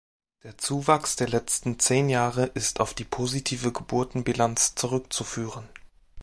Der Zuwachs der letzten zehn Jahre ist auf die positive Geburtenbilanz zurückzuführen.